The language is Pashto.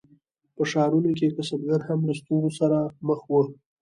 په ښارونو کې کسبګر هم له ستونزو سره مخ وو.